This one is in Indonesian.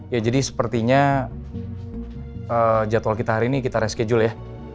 ya jadi sepertinya jadwal kita hari ini kita reschedule ya